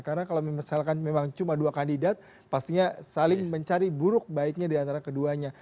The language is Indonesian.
karena kalau misalkan memang cuma dua kandidat pastinya saling mencari buruk baiknya diantara keduanya